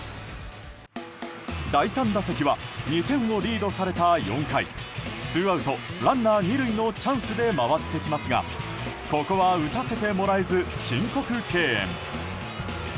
第３打席は２点をリードされた４回ツーアウト、ランナー２塁のチャンスで回ってきますがここは打たせてもらえず申告敬遠。